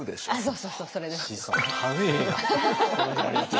そうそうそれです。